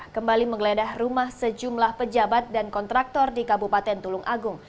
kembali menggeledah rumah sejumlah pejabat dan kontraktor di kabupaten tulung agung